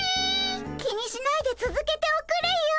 気にしないでつづけておくれよ。